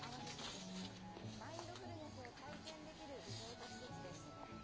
マインドフルネスを体験できるリゾート施設です。